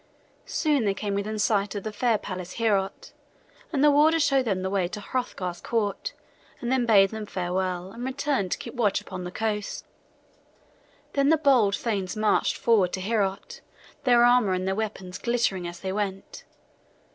Soon they came within sight of the fair palace Heorot, and the warder showed them the way to Hrothgar's court, and then bade them farewell, and returned to keep watch upon the coast. Then the bold thanes marched forward to Heorot, their armor and their weapons glittering as they went.